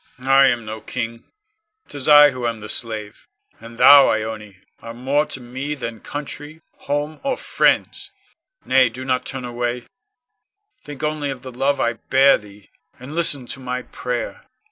Con. I am no king, 'tis I who am the slave, and thou, Ione, are more to me than country, home, or friends. Nay, do not turn away, think only of the love I bear thee, and listen to my prayer.